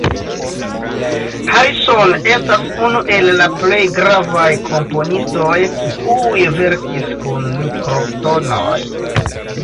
Harrison estas unu el la plej gravaj komponistoj kiuj verkis kun mikro-tonoj.